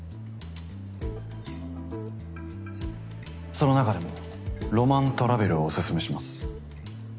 その中でもロマントラベルをおすすめします。